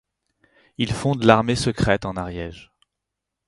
Il fonde l'Armée secrète en Ariège.